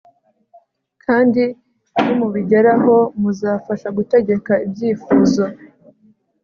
kandi nimubigeraho muzabasha gutegeka ibyifuzo